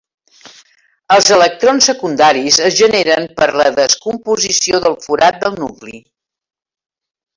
Els electrons secundaris es generen per la descomposició del forat del nucli.